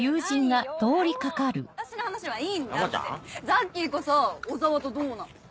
ザッキーこそ小沢とどうなの？